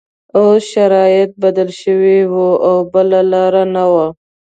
اوس شرایط بدل شوي وو او بله لاره نه وه